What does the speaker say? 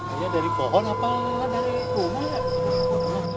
ayah dari pohon apa dari rumah